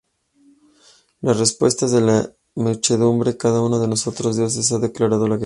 Las respuestas de la muchedumbre, ¡""Cada uno de nosotros dioses ha declarado la guerra!